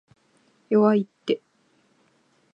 弱いって